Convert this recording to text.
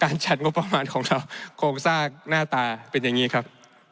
จัดงบประมาณของเราโครงสร้างหน้าตาเป็นอย่างนี้ครับ